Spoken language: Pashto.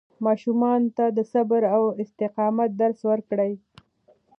ماشومانو ته د صبر او استقامت درس ورکړئ.